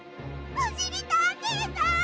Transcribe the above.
おしりたんていさん！